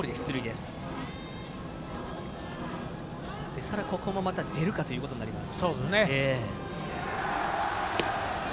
ですから、ここもまた出るかということになります。